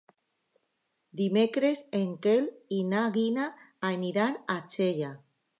Dimecres en Quel i na Gina aniran a Xella.